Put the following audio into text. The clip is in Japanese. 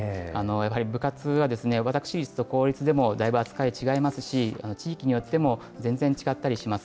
やはり部活は私立と公立でもだいぶ扱い違いますし、地域によっても全然違ったりします。